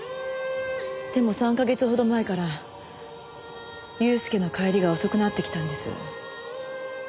でも３か月ほど前から祐介の帰りが遅くなってきたんです。